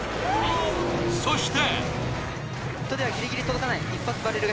そして。